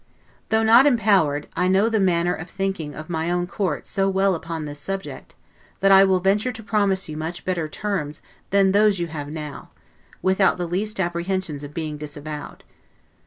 Though not empowered, I know the manner of thinking of my own Court so well upon this subject, that I will venture to promise you much better terms than those you have now, without the least apprehensions of being disavowed.